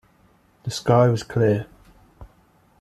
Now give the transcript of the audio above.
The sky was clear.